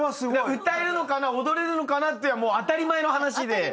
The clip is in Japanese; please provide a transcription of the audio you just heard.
歌えるのかな踊れるのかなって当たり前の話で。